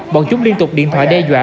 bọn chúng liên tục điện thoại đe dọa